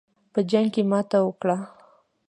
په جنګ کې ماته وکړه.